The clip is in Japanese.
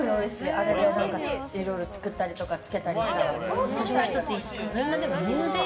あれでいろいろ作ったりとかつけたりとか。